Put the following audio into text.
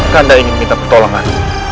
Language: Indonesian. kanda ingin minta pertolongan